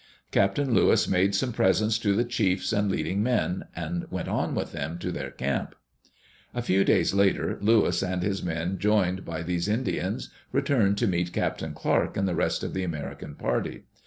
Captain Lewis made some presents to the chiefs and leading men, and went on with them to their camp. A few days later, Lewis and his men, joined by these Indians, returned to meet Captain Clark and the rest of the American party.